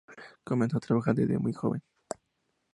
Comenzó a trabajar desde muy joven.